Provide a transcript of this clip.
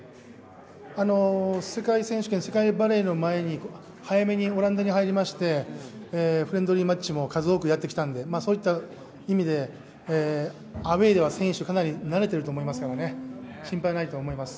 世界選手権、世界バレーの前に早めにオランダに入りまして、フレンドリーマッチもかなりやってきたのでそういった意味で、アウェーでは選手、かなり慣れていると思いますから、心配ないと思います。